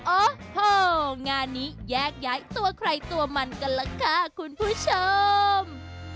โอ้โหงานนี้แยกย้ายตัวใครตัวมันกันล่ะค่ะคุณผู้ชม